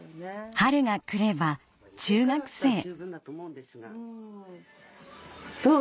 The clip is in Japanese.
春が来れば中学生どう？